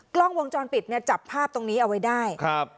กล้องวงจรปิดเนี่ยจับภาพตรงนี้เอาไว้ได้ครับ